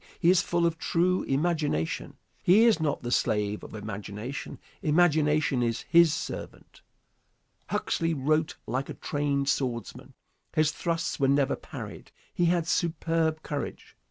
He is full of true imagination. He is not the slave of imagination. Imagination is his servant. Huxley wrote like a trained swordsman. His thrusts were never parried. He had superb courage.